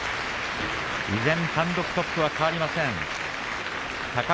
依然、単独トップは変わりません。